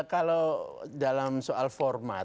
ya kalau dalam soal format mas budi ya